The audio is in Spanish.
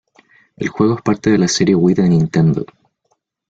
El juego es parte de la serie Wii de Nintendo.